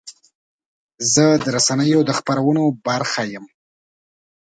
زه د رسنیو د خپرونو برخه یم.